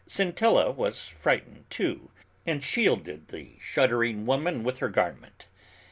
Scintilla was frightened, too, and shielded the shuddering woman with her garment.